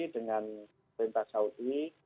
dengan pemerintah saudi